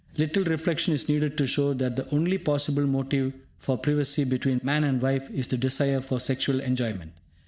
Little reflection is needed to show that the only possible motive for privacy between man and wife is the desire for sexual enjoyment.